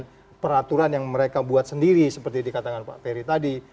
dan peraturan yang mereka buat sendiri seperti dikatakan pak peri tadi